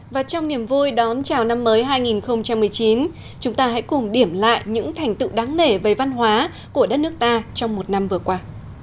và trong niềm vui đón chào năm mới hai nghìn một mươi chín chúng ta hãy cùng điểm lại những thành tựu đáng nể về văn hóa của đất nước ta trong một năm vừa qua